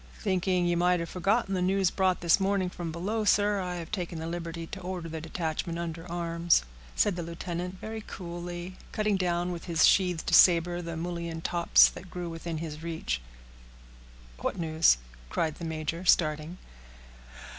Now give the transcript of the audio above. "Thinking you might have forgotten the news brought this morning from below, sir, I have taken the liberty to order the detachment under arms," said the lieutenant, very coolly, cutting down with his sheathed saber the mullein tops that grew within his reach. "What news?" cried the major, starting.